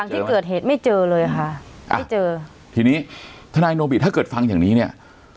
ที่เกิดเหตุไม่เจอเลยค่ะไม่เจอทีนี้ทนายโนบิถ้าเกิดฟังอย่างนี้เนี่ย